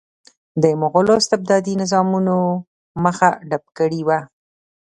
د مغولو استبدادي نظامونو مخه ډپ کړې وه.